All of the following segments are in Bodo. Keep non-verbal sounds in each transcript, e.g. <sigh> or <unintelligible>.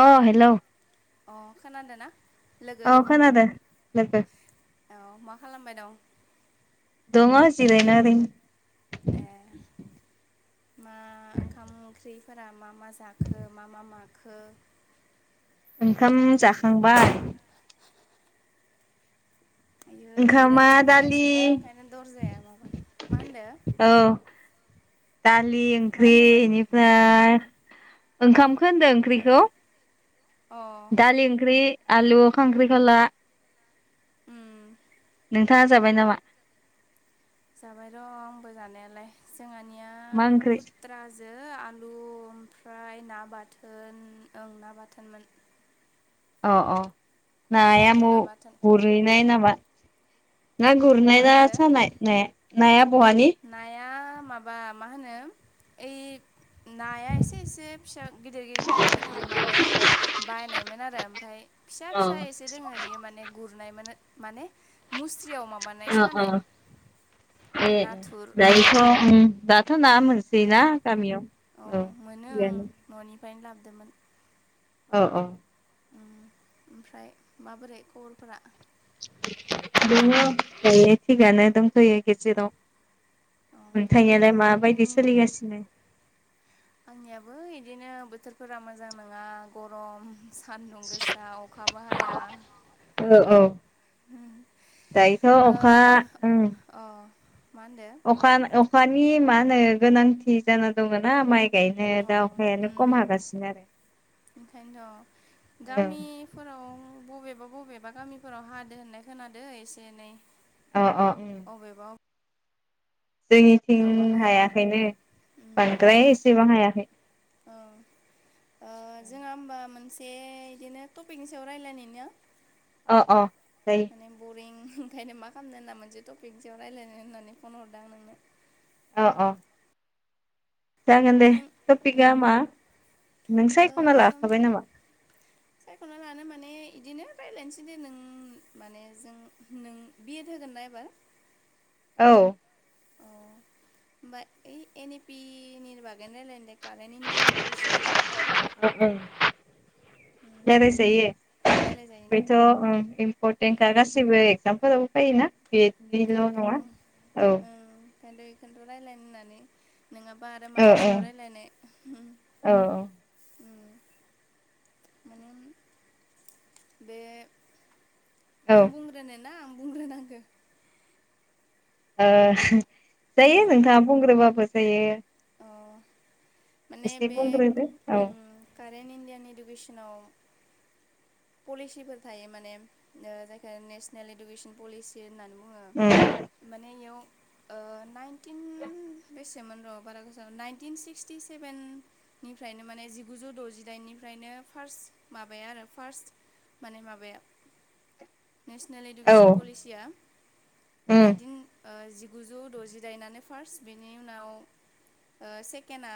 अ हेलौ। अ खोनादों ना? लोगो औ खोनादों लोगो औ मा खालामबाय दं? दंङ जिरायनानै ए। मा ओंखाम ओंख्रिफोरा मा मा जाखो मा मा माखो? ओंखाम जाखांबाय आयै बिराद ओंखामा बार दालि फैगासिनो ओंखायनो दरजाया माबा मा होनदों? औ दालि ओंख्रि बेनिफ्राय ओंखामखौ होनदों ओंख्रिखौ? अ दालि ओंख्रि आलु खांख्रिखला। उम। नोंथाङा जाबाय नामा? जाबाय र' आंबो जानायालाय जोंहानिया मा ओंख्रि खुथ्राजों आलु ओम ओमफ्राय ना बाथोन ओं ना बाथोनमोन। अ अ नाया आलु ना बाथोन गुरहैनाय नामा? ना मा गुरनायना होनदो सानाय नाया नाया बहानि? नाया माबा माहोनो ओइ नाया एसे एसे फिसा गिदिर गिदिर दोङो इयो माने बायनायमोन आरो ओमफ्राय फिसा अ फिसा एसे दोंङो इयो माने गुर नाय मानो माने मुस्रियाव माबाय अ अ सानाय ए नाथुर दायोथ' ओम दाथ' ना मोनसोयोना उम गामियाव औ ओ। बेहायनो लाबोदोंमोन। औ औ ओमफ्राय माबोरै खबरफोरा? दोंङो दायो थिक आंनो दंथ'यो गेजेराव। अ नोंथां नियालाय माबायदि उम सोलिगासिनो? आंनियाबो इदिनो बोथोरफोरा मोजां नङा गरम। सान्दुं गोसा अखा बो हाया औ औ दायोथ' अखा ओ ओम अ मा होनदो अखा अखानि मा होनो गोनांथि जाना दङ ना माइ गायनो अ दा अखायानो उम खम हागासिनो। ओंखायनोथ' गामिफोराव बबेबा बबेबा गामिफोराव हादो होननाय खोनादादों एसे एनै अ अ अबेबा अबेयावबा जोंनिथिं हायाखै हायाखैनो उम बांद्राय एसेबां हायाखै। <inaudible> ओ जोंहा होमबा मोनसे बिदिनो टपिकनि सायाव रायलायनि नो औ औ। माने बरिं ओंखायनो मा खालामनो होनना मोनसे टपिकजों रायलायनो होननानै फन हरदों आं नोंनो औ औ। जागोन दे नों टपिकआ उम मा नों ओ सायख'ना ला। बाय नामा बिदिनो रायज्लायनोसै दे नों माने जों नों बि एड होगोनना एबार औ। अ ओइ एन इ पि नि बागैनो रायलायनो दे कारेन्ट इण्डियान इडुकेसना रायलायजायो। रायलायजायोना बेथ' इम्परटेन्टखा गासिबो एक्जामपोराव फायोना बेनिल' नङा ओंखायनोथ' औ। ओंखायनोथ' बेखौनोथ' रायलायनो होननानै नङाबा आरो ओ मानि सायाव औ रायलायनाय औ माने बे औ ओ नों बुंग्रोनो ना आं बुंग्रोनांगौ ओ जायो नोंथाङा बुंग्रोबाबो जायो। अ माने एसे बे बुंग्रोदो औ उम कारेन्ट इण्डियान इडुकेसनाव पलिसिफोर थायो माने ओ जायखो नेसनेल इडुकेसन पलिसि होननानै बुङो। उम बुङो माने बेयाव ओ नाइनटिन बेसेमोन र' बारा गोजान नाइनटिन सिक्सटि सेभेननिफ्रायनो माने जिगुजौ द'जिदाइननि। बेनिफ्रायनो फार्स्ट माबाया आरो फार्स्ट माने माबाया नेसनेल औ इडुकेसन पलिसिया उम नाइनटिन ओ जि गुजौ द'जिदाइननानो फार्स्ट बेनि उनाव सेकेण्डआ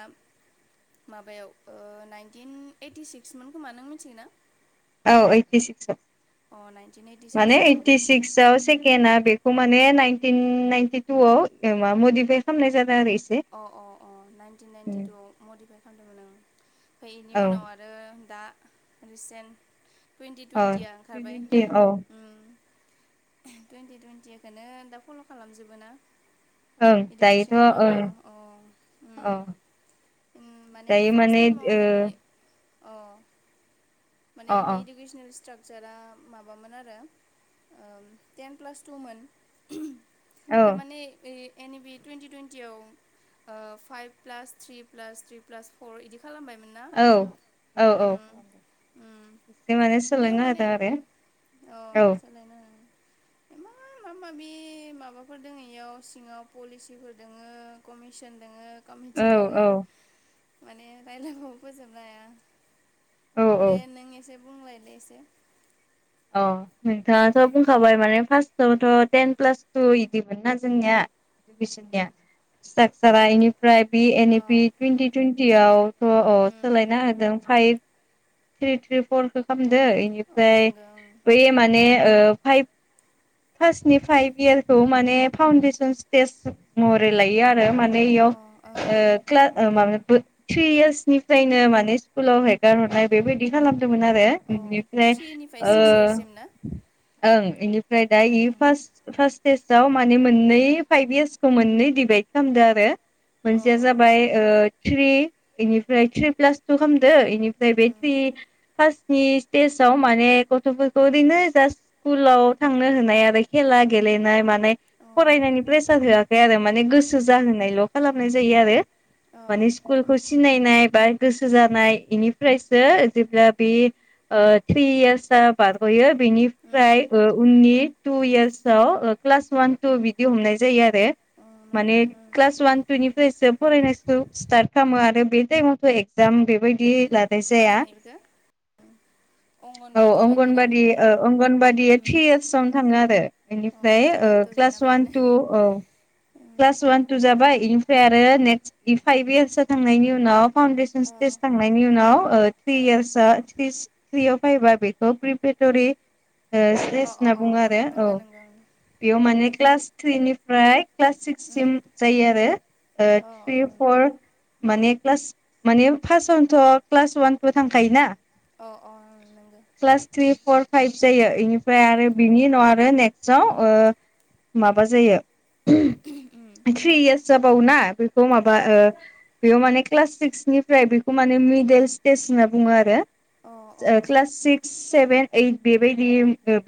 माबायाव ओ नाइनटिन ओइटिसिक्समोन खोमा नों मिथिगोन ना? औ ओइटि सिक्सआव नाइनटिन ओइटि माने सिक्सआव ओइटि बेनि सिक्सआव सेकेणडआ बे माने नाइनटिन नाइनटिटुवाव मडिफाइ खालामनाय जादों आरो एसे अह अह अह नाइनटिन नाइनटि टुवाव मडिफाइ खालामदोंमोन ओं ओमफ्राय बेनि औ उनाव आरो दा रिसेन्ट टुवन्टि औ टुवेन्टिया ओंखारबाय टुइन्टि औ उम टुन्टि टुइन्टिखौनो दा फल' खालामजोबो ना ओं दायोथ' इडुकेसननि ओं माबायाव अ उम अह उम दायो माने ओ अह माने अ इनि इडुकेसनेल स्ट्राक चारा माबामोन आरो ओ टेन प्लास टुमोन अ औ थारमाने एन इ पि टुन्टि टुइन्टियाव ओ five plus three plus three plus four इदि खालामबायमोन ना औ औ औ खालामदों उम उम एसे मान सोलायना होदो आरो अह औ सोलायनो एमान माबा माबि माबाफोर दङ इयाव सिङाव पलिसिफोर दोङो कमिसन दङो कमिटि औ दङो माने रायलायबाबो फोजोबनो हाया औ दे औ नों एसे बुंलाय दे एसे अह नोंथाङाथ' बुंखाबाय माने फार्स्टआवथ' टेन प्लास टु इदिमोन ना जोंनिया <unintelligible> स्ट्राकचारा इनिफ्राय बि एन इ अ पि टुवन्टि टुवन्टिवथ' अ उम सोलायना होदों फाइभ थ्रि थ्रि फरखौ खालामदों अ इनिफ्राय नोंगौ बै माने ओ फाइप क्लासनि फाइभ इयारखौ माने फाउन्डेसन स्टेज महरै लायो आरो माने याव ओं अ ओं ओ क्लास <inaudible> थ्रि यार्सनिफ्रायनो माने स्कुलाव हेगार हरनाय बेबायदि खालाम ओं अ थ्रिनिफ्राय सिक्स इयार्ससिम ना <unintelligible> ओमफ्राय दा औ इ फार्स् फार्स् सिस्टेसआव माने मोननै फाइभ इयार्सखौ मोननै डिभाइद खालामदो आरो औ अ मोनसेया अ जाबाय थ्रि बेनिफ्राय थ्रि प्लास टु खालामदो बेनिफ्राय बे उम फार्स सिस्टेआव माने गथफोरखौ ओरैनो जाट स्कुलाव थांनो होननाय आरो खेला गेले मानाय अ फरायनायनि प्रेसार होआखै आरो माने गोसो उम जाहोनायल खालामनाय जायो आरो अ माने स्कुलखौ सिनायनाय बा गोसो जानाय बेनिफ्राय सो जेब्ला बे ओ थ्रियारस बारगयो उम बेनिफ्राय उननि टु यार्साआव क्लास वान टु बिदि हमनाय जायो आरो अ नंगौ माने उम क्लास वान टुनिफ्रायसो फरायनायखौ स्टार्ट खालामो आरो बे टाइमावथ एकजाम बेबायदि ला माहोनो बेखौ औ अंगनबादि बायदि ना अंगनबादि अंगनबादि उम थ्रि यार्स थाङो आरो अ बेनिफ्राय ओ प्रिपारेटरि ना क्लास मा वना टु होनो? औ उम क्लास वान टु जाबाय बिनिफ्राय ओमफ्राय आरो नेक्स्ट इ फाइभ इयार्स थांनायनि उनाव फाउडेसन औ स्टेज थांनायनि उनाव थ्रि यार्स उम थ्रियाव फायबा बेखौ प्रिपटरि अ सेस अ होनना अ बुङो उम आरो औ नंगौ नंगौ बेयाव माने क्लास थ्रिनिफ्राय क्लास उम सिक्ससिम जायो आरो अ थ्रि फर माने क्लास माने फार्स्आवनोथ क्लास वान थु थांखायोना अ अ नंगौ क्लास थ्रि फर फाइभ जायो इनिफ्राय उम आरो बिनि उनाव आरो नेक्स साव माबा जायो उम थ्रि यार्स जाबावोना बे खौ माबा अ ओ बेयाव माने क्लास सिक्सनिफ्राय बेखौ माने मिडेल स्टेेज होनना बुङो आरो अ अ क्लास सिक्स सेभेन ओइत बेबायदि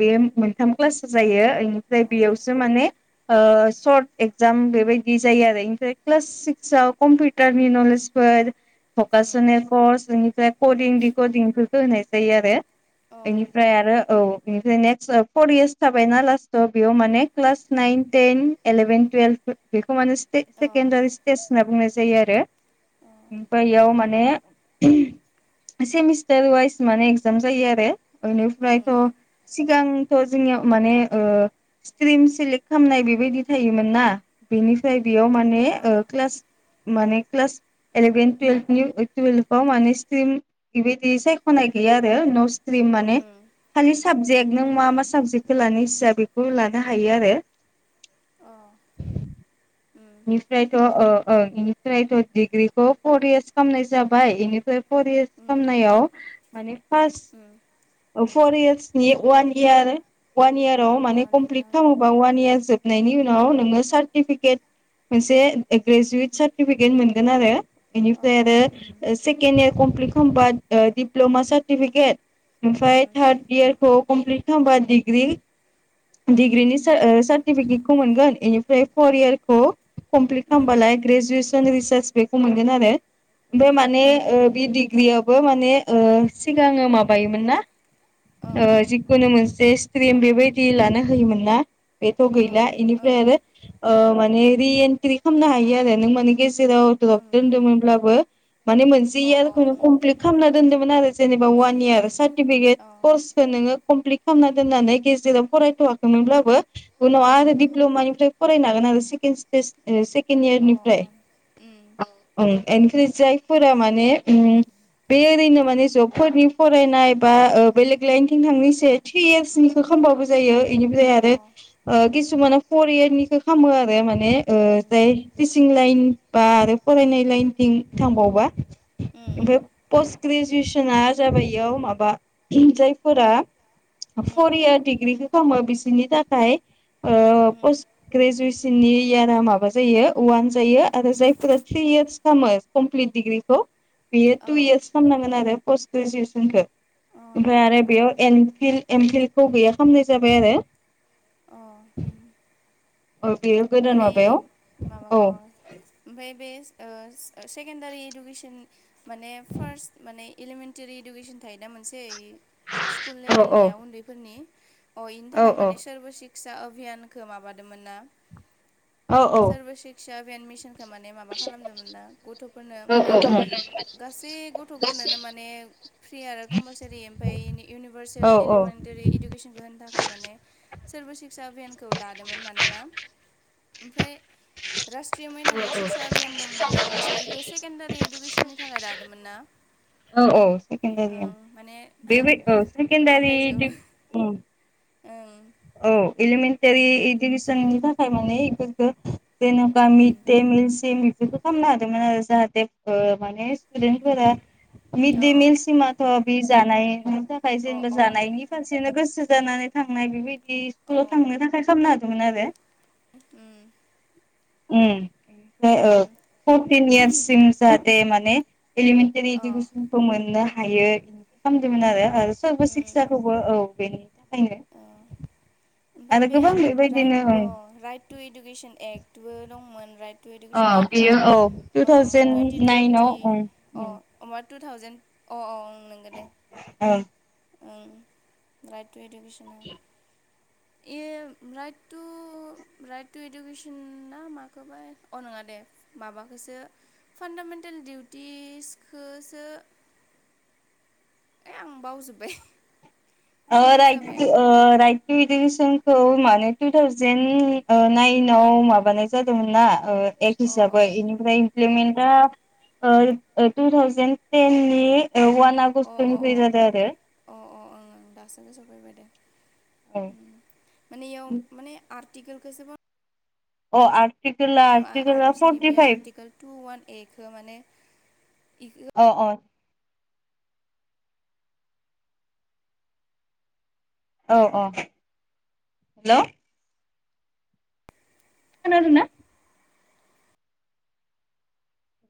बे मोनथाम क्लास जायो इनिफ्राय उम बेयावसो माने सर्ट एगजाम बेबायदि जायो आरो बेनिफ्राय क्लास सिक्सव कम्पिउटारनि नलेजफोर फकासनेल कर्स बेनिफ्राय कदिं दिकदिंफोरखौ होनाय जायो आरो अ बेनिफ्राय आरो औ बेनिफ्राय नेक्स्ट फर इयार्स थाबायना लास्टाव बेयाव माने class nine ten eleven twelve बेखौ माने अ अ सेकेणडारि स्टेज होनना बुंनाय जायो आरो ओमफाय बेयाव माने सेमिस्टार वाइस माने एगजाम जायो आरो ओं बेनिफ्रायथ' ओं सिगां थ जोंनि माने ओ स्ट्रिम सेलेक्ट खालामनाय बेबायदि थायोमोन ना बेनिफ्राय बेयाव माने अ क्लास माने क्लास एलेभेन टुयेल्भ अ माने सिथ्म्रि बेबायदि सायखनाय गैया आरो न सिथ्म्रि माने उम खालि उम साबजेक्ट नों मा मा साबजेक्ट लानाय सिया बेखौ लानो हायो आरो अ उम बेनिफ्रायथ ओ ओ इनिफ्रायथ डिग्रिखौ फर इयार्स खालामनाय जाबाय बेनिफ्राय पर यार्स उम खालामनायाव मानि फार्स उम फर इयारसनि वान इार वान इयाराव अ माने कमप्लिट नंगौ खालामोबा वन इयार जोब नायनि उनाव नोंङो सार्टिफिकेट मोनसे ग्रेजुवेट सार्टिफिकेट मोनगोन आरो अ बेनिफ्राय अ उम आरो सेकेणड इयार कमप्लिट खालामबा डिप्लमा सार्टिफिकेट ओमफ्राय उम थार्ड इयारखौ कमप्लिट खालाम बा डीग्रि उम डिग्रिनि नंगौ सार्टिफिकेटखौ मोनगोन बेनिफ्राय फर इयारखौ कमप्लिट उम खालामबालाय ग्रेजुवेसन रिसार्च बेखौ मोनगोन आरो ओमफ्राय उम माने ओ बे डिग्रियावबो माने ओ सिगाङो माबायोमोन ना। अ अ ओ जिखुनु मोनसे स्ट्रिम बेबायदि लानो होयोमोन ना। बेथ' अ गैला बेनिफ्राय आरो ओ माने रि एन्ट्रि खालामनो हायो आरो नों माने गे जेराव द्रब ओं दोनदोंमोनब्लाबो माने मोनसे अ अ इयारखौनो ओं कमप्लिट खालामना दोन्दोंमोन आरो जेनेबा वान इयार उम सार्टिफिकेट अ कर्सखौ नोङो कमप्लिट खालामना दोननानै गेजेराव फरायथवाखैमोनब्लाबो उनाव अ आरो दिप्ल'मानिफ्राय फरायनो हागोन आरो सेकेण इस्तेस ओ सेकेण सेकेन अ इयारनिफ्राय उम ओं। बिनिफ्राय जायफोरा माने उम बे ओरैनो माने जबफोरनि फरायनाय बा बेलेग लाइनथिं थांनो इसा थ्रि इयार्सनिखौ खालामबाबो जायो। बेनिफ्राय आरो अ ओ खिसुमान फर इयारनिखौ खालामामो आरो माने बे ओ उम जाय टिसिं लाइन बा आरो फरायनाय लायेनथिं थांबावबा। उम ओमफ्राय पस्ट ग्रेजुवेसना जाबाय इयाव माबा जायफोरा फर उम इयार डिग्रिखौ खालामो बिसोरनि थाखाय ओ उम पस्त ग्रेजुवेसननि इयारा माबा जायो अवान। दायो आरो जायफोरा थ्रि इयार्स खालामो कमप्लिट डिग्रिखौ बेयो अ टु इयार्स खालामनांगोन आरो पस्ट ग्रेजुवेसनखौ। अ ओमफ्राय नंगौ आरो नंगौ बेयाव एनफिल एमफिल्खौ गैया खालामनाय जाबाय आरो। <unintelligible> औ औ बेयो गोदान माने माबायाव औ माबाखौ ओमफ्राय <unintelligible> ओ ओ सेकेनदारि इदुकेसन माने फार्स माने इलेमेनटारि इदुकेसन थायो दा मोनसे इ स्कुल औ लेबेलनिया उन्दैफोरनि अ इनि औ थाखाय माने सर्भ सिक्सा अभियानखौ माबादोंमोन ना। औ औ सर्भ सिक्सा अभियान मिसन खौ माने माबा खालामदोंमोन ना गथ'फोरनो माने गासै गथ'फोरनोनो माने फ्रि आरो कम्पालसारि ओमफ्राय इउनिभार्सेल औ इलिमेन्ट टरि इडुकेसनखौ होनो थाखाय माने सोर्भ सिक्सा अभियानखौ दादोंमोन मानोना ओमफ्राय राट्रिय मेधामिक सिक्सा आभयान दंमोन ना मोनसे बेखौ सेकेण्डारि इडुकेसननि थाखाय लाादोंमोन ना। औ-औ सेकेन्दारि ओं माने बे बो औ सेकेन्दारि आन्दायजोबो उम औ एलिमेन्टारि इडुकेसननि थाखाय माने बेफोरखौ जेनेबा मिटे बेफोरखौ खालामनो हादोंमोन आरो जाहाथे माने स्टुदेन्ट फोरा मिड दे मिलसिमाथ' बे जानायनि थाखाय ओं जेनेबा ओं जानायनि फारसेनो गोसो जानानै थांनाय बेबायदि स्कुलाव थांनो थाखाय खालामना होदोंमोन आरो। उम। उम ओमफ्राय ओ फरटिन इयारसिम जाहाथे माने एलिमेन्टारि अ उम अ इडुकेसनखौ मोननो हायो खालामदोंमोन आरो सोर्ब उम सिक्साखौबो औ बेनि थाखायनो <inaudible> ओमफ्राय आरो बे गोबां बेबायदिनो राइट अ ओं राइट टु इडुकेसन एक्टबो दंमोन रायेट टु एडुकेसन एक्ट‌आ बियो औ टु अ थावजेेन नाइनाव टुवेन्टि-टुवेन्टि ओं अ माद टु थावजेन्द अ-अ नंगौ दे। ओं ओं राइट टु इडुकेसना। ए राइट टु राइट टु इडुकेसना ना माखोबाय अ नङा दे। माबाखौसो फान्दामेन्टेल दिउटिसखौसो <inaudible> आं बावजोब्बाय। आ कनफिउस राय जाबाय आ राय इडुकेसनखौ माने टु थावजेेन नाइनाव माबानाय जादोंमोन नना। एक्ट हिसाबै आं बेनिफ्राय अ ओं इमप्लिमेन्टा ओ- ओ टु थावजेन टेननि औ वान अ अ अ आगस्टनिफ्राय जादों आरो ओं ओं दासो गोसोआव सफैबाय दे माने इयाव माने आर टिकेलखौसो ओ आरटिकेला आरटिकेला फर्टि फाइभ एखो माने अ अ। औ औ हेल'। खोनादोंना?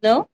हेल'